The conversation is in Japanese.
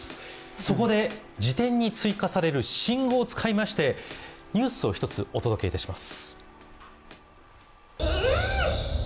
そこで、辞典に追加される新語を使いましてニュースを１つお届けいたします。